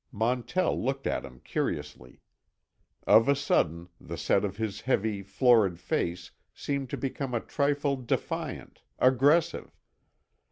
Montell looked at him curiously. Of a sudden the set of his heavy, florid face seemed to become a trifle defiant, aggressive.